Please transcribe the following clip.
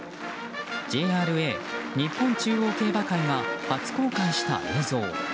ＪＲＡ・日本中央競馬会が初公開した映像。